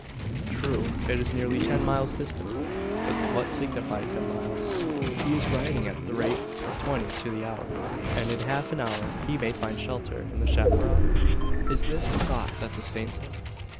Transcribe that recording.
True, it is nearly ten miles distant. But what signify ten miles? He is riding at the rate of twenty to the hour; and in half an hour he may find shelter in the chapparal? Is this the thought that sustains him?